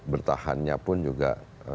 yang bertahan pun juga